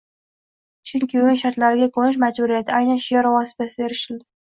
chunki o‘yin shartlariga ko‘nish majburiyati aynan shior vositasida erishildi